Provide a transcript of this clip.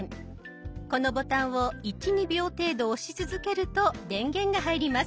このボタンを１２秒程度押し続けると電源が入ります。